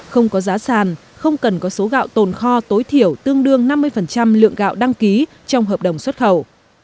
không có giá sàn không cần có số gạo tồn kho tối thiểu tương đương năm mươi lượng gạo đăng ký trong hợp đồng xuất khẩu